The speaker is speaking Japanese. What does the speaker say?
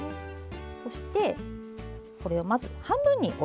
そしてこれをまず半分に折ります。